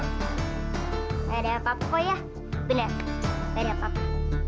nggak ada apa apa kok ya bener nggak ada apa apa